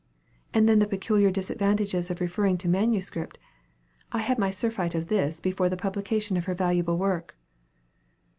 "And then the peculiar disadvantages of referring to manuscript! I had my surfeit of this before the publication of her valuable work."